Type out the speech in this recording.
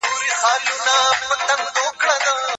کلتور د یوې ټولنې پېژندپاڼه ده.